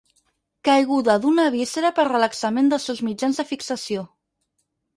Caiguda d'una víscera per relaxament dels seus mitjans de fixació.